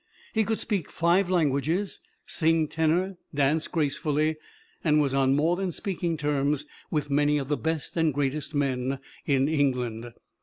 He could speak five languages, sing tenor, dance gracefully, and was on more than speaking terms with many of the best and greatest men in England.